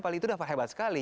paling itu dapat hebat sekali